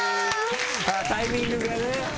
タイミングがね。